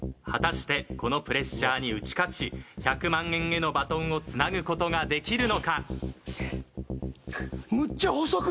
果たしてこのプレッシャーに打ち勝ち１００万円へのバトンをつなぐ事ができるのか。